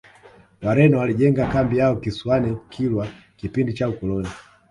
wareno walijenga kambi yao kisiwani kilwa kipindi cha ukoloni